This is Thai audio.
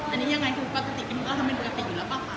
อันนี้ยังไงเจอก็ทำเป็นปกติอยู่แล้วป่ะคะ